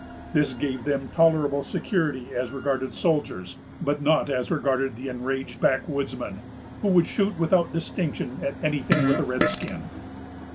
This gave them tolerable security as regarded soldiers, but not as regarded the enraged backwoodsmen, who would shoot without distinction at any thing with a red skin.